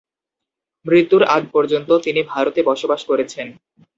মৃত্যুর আগপর্যন্ত তিনি ভারতে বসবাস করেছেন।